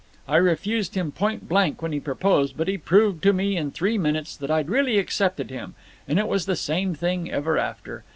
I refused him point blank when he proposed, but he proved to me in three minutes that I'd really accepted him; and it was the same thing ever after.